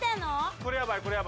これやばい！